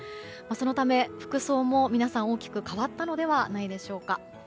そのため、服装も皆さん大きく変わったのではないでしょうか。